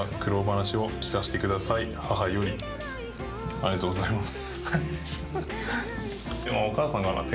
ありがとうございます。